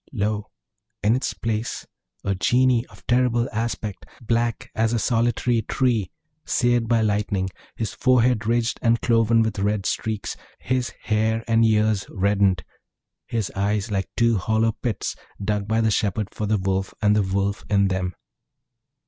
Lo! in its place a Genie of terrible aspect, black as a solitary tree seared by lightning; his forehead ridged and cloven with red streaks; his hair and ears reddened; his eyes like two hollow pits dug by the shepherd for the wolf, and the wolf in them.